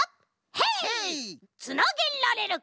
ヘイ！